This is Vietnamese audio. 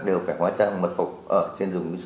đều phải hoà trang mật phục